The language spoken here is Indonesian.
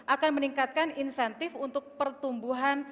akan meningkatkan insentif untuk pertumbuhan